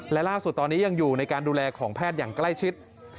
และล่าสุดตอนนี้ยังอยู่ในการดูแลของแพทย์อย่างใกล้ชิด